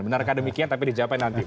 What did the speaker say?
benarkah demikian tapi dijawabkan nanti